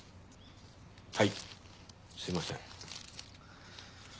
はいすみません。